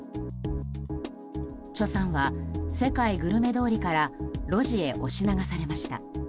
チョさんは世界グルメ通りから路地へ押し流されました。